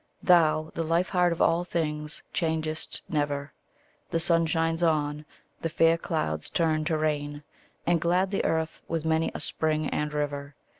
Thou, the life heart of all things, changest never. The sun shines on; the fair clouds turn to rain, And glad the earth with many a spring and river.